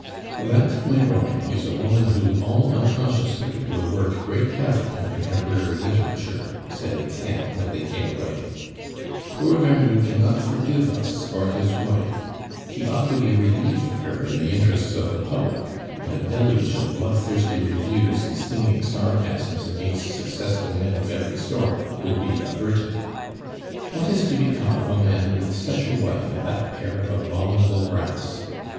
"That, my boy, is a woman who all unconsciously will work great havoc in contemporary literature," said Etienne, when they came away. "Poor Vernou cannot forgive us for his wife. He ought to be relieved of her in the interests of the public; and a deluge of blood thirsty reviews and stinging sarcasms against successful men of every sort would be averted. What is to become of a man with such a wife and that pair of abominable brats?